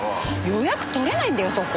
予約取れないんだよそこ！